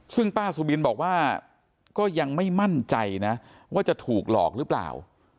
ซึ่งป้าสุบินบอกว่าก็ยังไม่มั่นใจนะว่าจะถูกหลอกหรือเปล่า